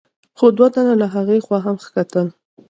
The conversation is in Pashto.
خو دوه تنه له هغې خوا هم ختل.